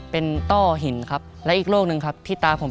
เป็นต้อหินและอีกโรคนึงที่ตาผม